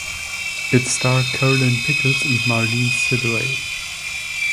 It starred Carolyn Pickles and Marlene Sidaway.